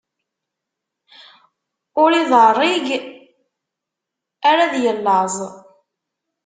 Ur iḍeṛṛig ar ad yellaẓ.